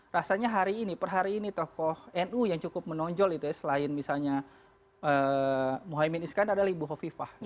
rasanya hari ini per hari ini tokoh nu yang cukup menonjol itu ya selain misalnya mohaimin iskandar adalah ibu hovifah